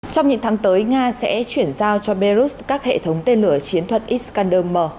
trong những tháng tới nga sẽ chuyển giao cho belarus các hệ thống tên lửa chiến thuật iskander m